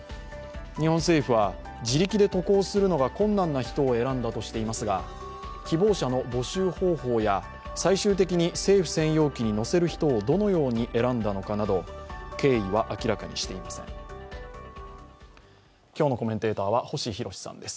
日本政府は自力で渡航するのが困難人を選んだとしていますが、希望者の募集方法や最終的に政府専用機に乗せる人をどのように選んだのかなど、経緯は明らかにしていません。